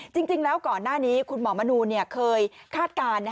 จริงแล้วก่อนหน้านี้คุณหมอมนูนเคยคาดการณ์